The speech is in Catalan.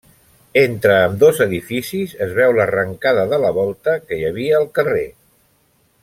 Entre ambdós edificis es veu l'arrencada de la volta que hi havia al carrer.